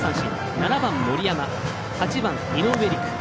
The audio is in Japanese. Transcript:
７番、森山、８番、井上陸。